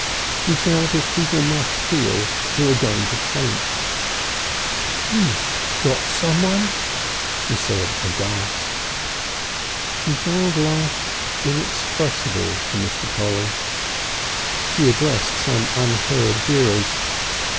He felt as people must feel who are going to faint. "You've got someone " he said aghast. She found life inexpressible to Mr. Polly. She addressed some unseen hearers.